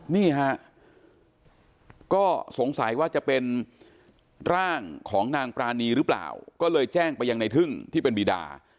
นี่ฮะก็สงสัยว่าจะเป็นร่างของนางปรานีหรือเปล่าก็เลยแจ้งไปยังในทึ่งที่เป็นบีดา